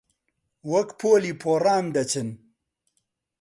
وەک پۆلی پۆڕان دەچن